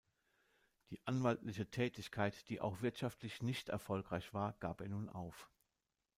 Die anwaltliche Tätigkeit, die auch wirtschaftlich nicht erfolgreich war, gab er nun auf.